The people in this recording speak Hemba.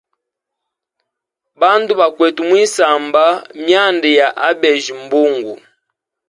Bandu bakwete mwisamba mwyanda ya abeja mbungu.